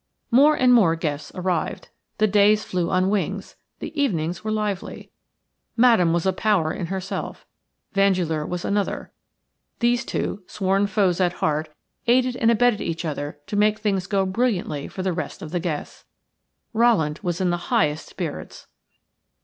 More and more guests arrived – the days flew on wings – the evenings were lively. Madame was a power in herself. Vandeleur was another. These two, sworn foes at heart, aided and abetted each other to make things go brilliantly for the rest of the guests. Rowland was in the highest spirits.